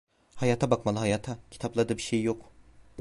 Hayata bakmalı, hayata; kitaplarda bir şey yok…